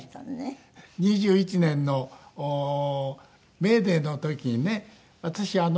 ２１年のメーデーの時にね